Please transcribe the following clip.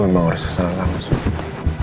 gue memang harus kesalahan langsung